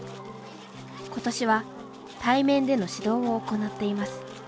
ことしは対面での指導を行っています。